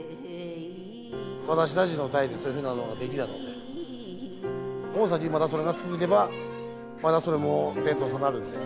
私たちの代でそういうふうなのができたのでこの先またそれが続けばまたそれも伝統さなるんで。